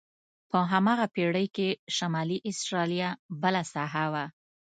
په هماغه پېړۍ کې شمالي استرالیا بله ساحه وه.